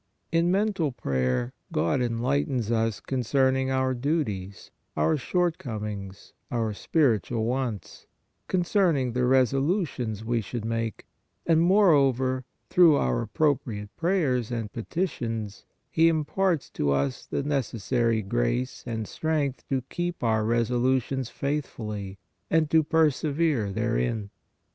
In mental prayer God enlightens us concerning our duties, our short comings, our spiritual wants, concerning the reso lutions we should make, and, moreover, through our appropriate prayers and petitions, He imparts to us the necessary grace and strength to keep our reso lutions faithfully and to persevere therein.